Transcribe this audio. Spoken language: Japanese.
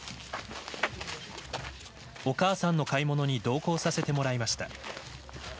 お母さんの買い物に同行させてもらいました。